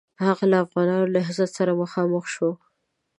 هغه له افغانانو نهضت سره مخامخ شو.